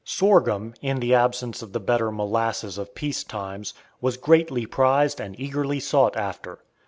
Sorghum, in the absence of the better molasses of peace times, was greatly prized and eagerly sought after.